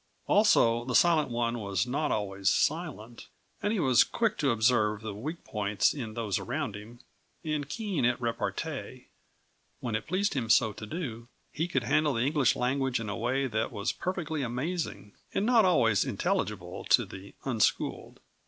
Also, the Silent One was not always silent, and he was quick to observe the weak points in those around him, and keen at repartee. When it pleased him so to do, he could handle the English language in a way that was perfectly amazing and not always intelligible to the unschooled.